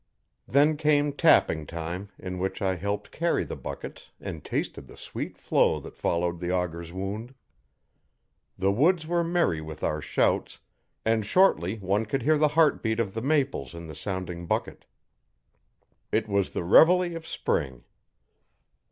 Then came tapping time, in which I helped carry the buckets and tasted the sweet flow that followed the auger's wound. The woods were merry with our shouts, and, shortly, one could hear the heart beat of the maples in the sounding bucket. It was the reveille of spring.